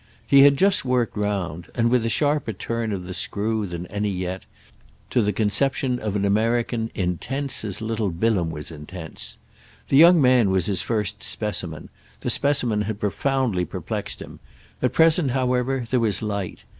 He had just worked round—and with a sharper turn of the screw than any yet—to the conception of an American intense as little Bilham was intense. The young man was his first specimen; the specimen had profoundly perplexed him; at present however there was light.